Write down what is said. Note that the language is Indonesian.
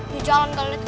di jalan kalian lihat